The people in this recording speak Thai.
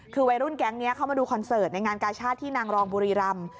คือวัยรุ่นแก๊งนี้เข้ามาดูคอนเสิร์ตในงานกาชาติที่นางรองบุรีรำ